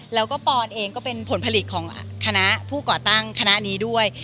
แล้วก็ปอนเองก็เป็นผลผลิตของคณะผู้ก่อตั้งคณะนี้ด้วย